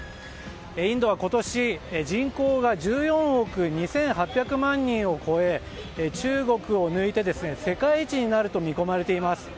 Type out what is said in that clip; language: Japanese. インドは今年人口が１４億２８００万人を超え中国を抜いて世界一になると見込まれています。